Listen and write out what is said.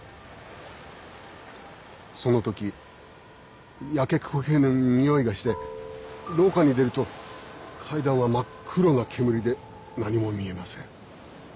その時焼け焦げるにおいがして廊下に出ると階段は真っ黒な煙で何も見えません。